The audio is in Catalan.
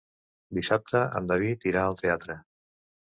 Dissabte en David irà al teatre.